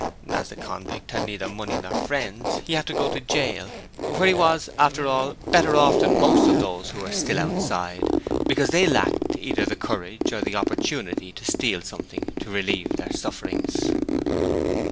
As the convict had neither money nor friends, he had to go to jail, where he was, after all, better off than most of those who were still outside because they lacked either the courage or the opportunity to steal something to relieve their sufferings.